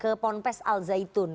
ke ponpes al zaitun